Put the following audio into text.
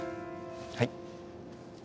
はい。